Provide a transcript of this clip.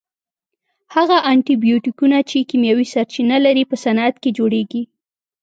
هغه انټي بیوټیکونه چې کیمیاوي سرچینه لري په صنعت کې جوړیږي.